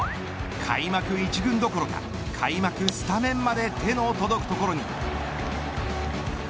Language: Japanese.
開幕一軍どころか開幕スタメンまで手の届くところに。